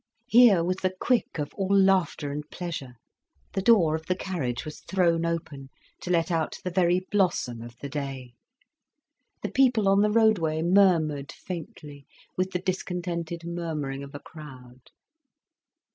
Here was the quick of all laughter and pleasure. The door of the carriage was thrown open, to let out the very blossom of the day. The people on the roadway murmured faintly with the discontented murmuring of a crowd.